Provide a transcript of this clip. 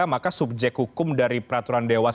maka subjek hukum dari peraturan dewas